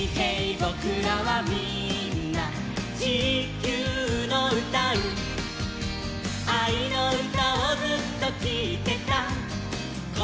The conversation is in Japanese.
ぼくらはみんな地球のうたう」「あいのうたをずっときいてたこどもたち」